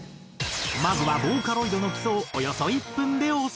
まずはボーカロイドの基礎をおよそ１分でおさらい。